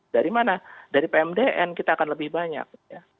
dari mana dari pmdn kita akan lebih banyak ya